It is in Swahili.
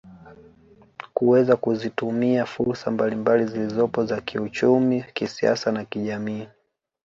Kuweza kuzitumia fursa mbalimbali zilizopo za kiuchumi kisiasa na kijamii